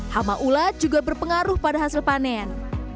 hama ulat juga berpengaruh pada hasil panen